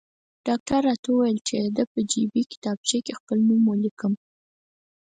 ډاکټر راته وویل چې د ده په جیبي کتابچه کې خپل نوم ولیکم.